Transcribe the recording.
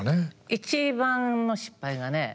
一番の失敗がね